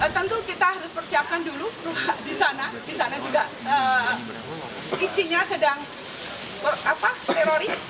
tentu kita harus persiapkan dulu di sana di sana juga isinya sedang teroris